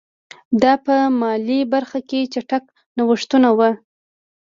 دا په مالي برخه کې چټک نوښتونه وو